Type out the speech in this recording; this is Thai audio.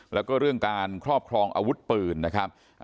แล้วก็เรื่องการครอบครองอาวุธปืนนะครับ